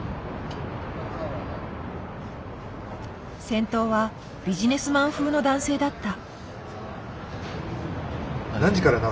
先頭はビジネスマン風の男性だった。